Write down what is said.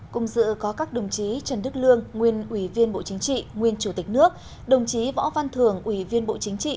cùng dự có các đồng chí trần đức lương nguyên ủy viên bộ chính trị nguyên chủ tịch nước đồng chí võ văn thường ủy viên bộ chính trị